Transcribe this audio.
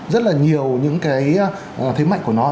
rất là nhiều những thế mạnh của nó